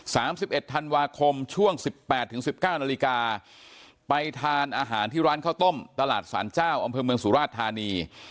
สามสิบเอ็ดธันวาคมช่วงสิบแปดถึงสิบเก้านาฬิกาไปทานอาหารที่ร้านข้าวต้มตลาดสารเจ้าอำเภอเมืองสุราชธานี